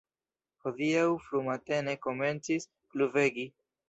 Hodiaŭ frumatene komencis pluvegi.